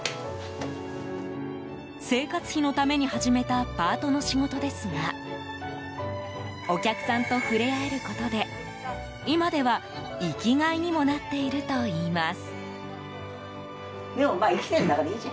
生活費のために始めたパートの仕事ですがお客さんと触れ合えることで今では生きがいにもなっているといいます。